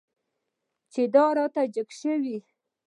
چې ته را جګ شوی یې.